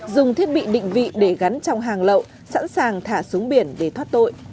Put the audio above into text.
dùng thiết bị định vị để gắn trong hàng lậu sẵn sàng thả xuống biển để thoát tội